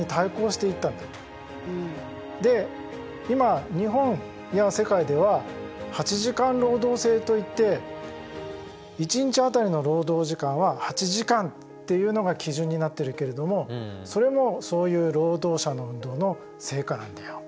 で今日本や世界では８時間労働制といって一日当たりの労働時間は８時間っていうのが基準になっているけどもそれもそういう労働者の運動の成果なんだよ。